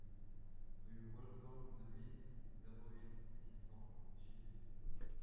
Rue Wolfgang Doeblin, zéro huit, six cents Givet